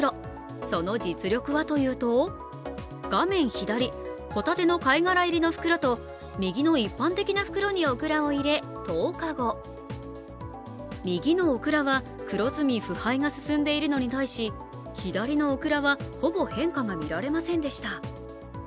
その実力はというと、画面左、ホタテの貝殻入りの袋と右の一般的な袋にオクラを入れ、１０日後、右のオクラは黒ずみ、腐敗が進んでいるのに対し左のオクラはほぼ変化が見られませんでした。